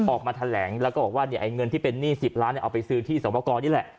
ออกมาแถลงแล้วก็บอกว่าเงินที่เป็นหนี้๑๐ล้านเอาไปซื้อที่สวกรนี่แหละ